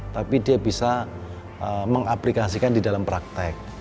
tapi dia bisa mengaplikasikan di dalam praktek